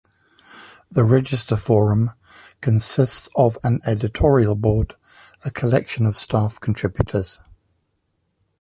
The Register Forum consists of an editorial board, a collection of staff contributors.